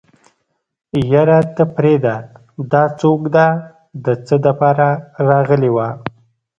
يره ته پرېده دا څوک ده د څه دپاره راغلې وه.